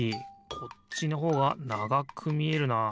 こっちのほうがながくみえるなあ。